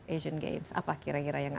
asian games apa kira kira yang